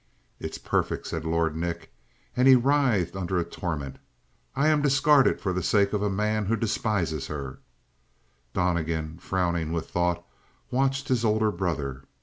"It's perfect," said Lord Nick. And he writhed under a torment. "I am discarded for the sake of a man who despises her!" Donnegan, frowning with thought, watched his older brother.